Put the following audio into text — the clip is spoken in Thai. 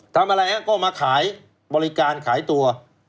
ทำอะไรฮะก็มาขายบริการขายตัว